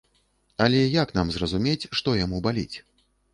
Але як нам зразумець, што яму баліць?